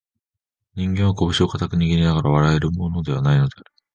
人間は、こぶしを固く握りながら笑えるものでは無いのである